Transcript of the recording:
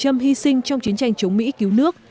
hy sinh trong chiến tranh chống mỹ cứu nước